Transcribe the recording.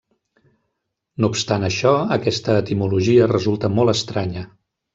No obstant això aquesta etimologia resulta molt estranya.